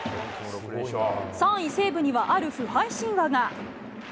３位西武にはある不敗神話が。